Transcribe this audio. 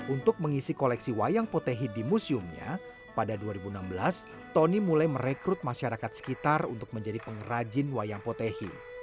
untuk mengisi koleksi wayang potehi di museumnya pada dua ribu enam belas tony mulai merekrut masyarakat sekitar untuk menjadi pengrajin wayang potehi